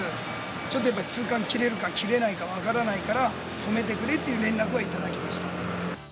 ちょっとやっぱり通関きれるか、きれないか分からないから、止めてくれっていう連絡は頂きました。